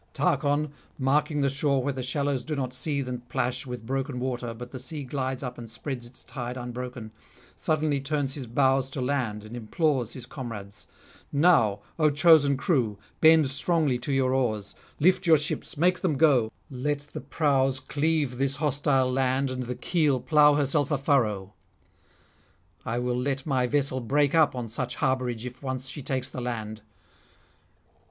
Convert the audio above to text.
Tarchon, marking the shore where the shallows do not seethe and plash with broken water, but the sea glides up and spreads its tide unbroken, suddenly turns his bows to land and implores his comrades: 'Now, O chosen crew, bend strongly to your oars; lift your ships, make them go; let the prows cleave this hostile land and the keel plough [297 330]herself a furrow. I will let my vessel break up on such harbourage if once she takes the land.'